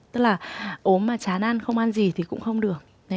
tức là ốm mà chán ăn không ăn gì thì cũng không được